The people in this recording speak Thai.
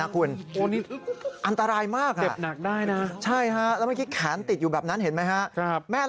คนลืม